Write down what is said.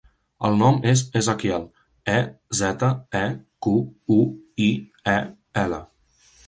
El nom és Ezequiel: e, zeta, e, cu, u, i, e, ela.